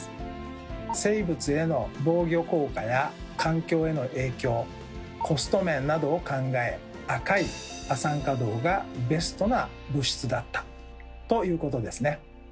生物への防御効果や環境への影響コスト面などを考え赤い亜酸化銅がベストな物質だったということですね。